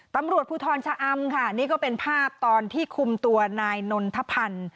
ตำรวจภูทรชะอำค่ะนี่ก็เป็นภาพตอนที่คุมตัวนายนนทพันธ์